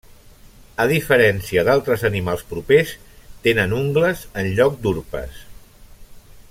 A diferència d'altres animals propers, tenen ungles en lloc d'urpes.